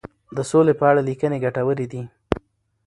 د سولي په اړه لیکنې ګټورې دي.